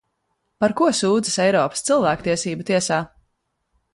Par ko sūdzas Eiropas cilvēktiesību tiesā?